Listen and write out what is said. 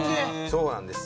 そうなんです